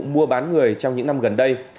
mua bán người trong những năm gần đây